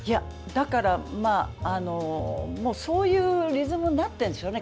そういうリズムになってるんでしょうね。